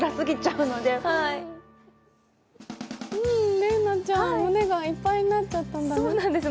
麗菜ちゃん、胸がいっぱいになっちゃったんだね。